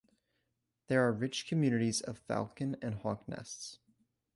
There are rich communities of falcon and hawk nests.